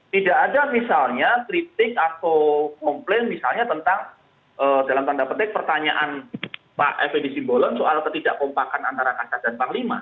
tidak ada misalnya kritik atau komplain misalnya tentang dalam tanda petik pertanyaan pak fni singgolot soal ketidakpumpakan antara kasas dan panglima